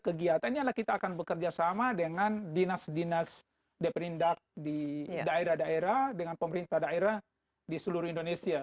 kegiatan ini adalah kita akan bekerja sama dengan dinas dinas di perindak di daerah daerah dengan pemerintah daerah di seluruh indonesia